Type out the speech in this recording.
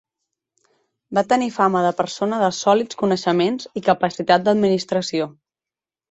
Va tenir fama de persona de sòlids coneixements i capacitat d'administració.